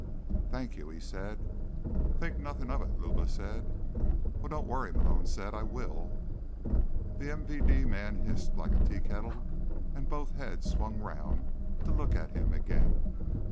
"Thank you," he said. "Think nothing of it," Luba said. "Oh, don't worry," Malone said. "I will." The MVD man hissed like a teakettle and both heads swung round to look at him again.